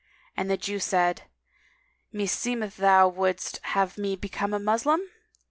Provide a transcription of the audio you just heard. And the Jew said, "Meseemeth thou wouldst have me become a Moslem?"